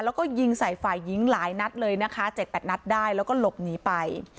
แล้วก็ยิงใส่ฝ่ายหญิงหลายนัดเลยนะคะ๗๘นัดได้แล้วก็หลบหนีไป